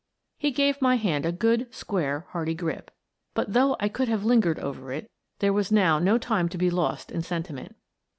He gave my hand a good, square, hearty grip, but, though I could have lingered over it, there was now no time to be lost in sentiment.